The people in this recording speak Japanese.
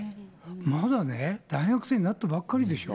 まだね、大学生になったばっかりでしょ？